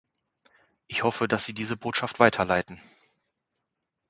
Ich hoffe, dass Sie diese Botschaft weiterleiten.